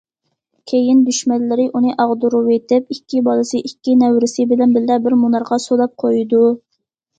كېيىن دۈشمەنلىرى ئۇنى ئاغدۇرۇۋېتىپ، ئىككى بالىسى، ئىككى نەۋرىسى بىلەن بىللە بىر مۇنارغا سولاپ قويىدۇ.